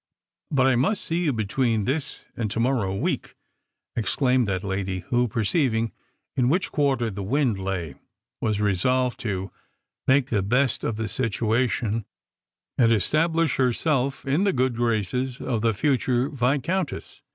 " But I must see you between this and to morrow week," ex claimed that lady, who, perceiving in which quarter the wind lay, was resolved to ake the best of the situation, and estab lish herself in the good graces of the future Viscountess.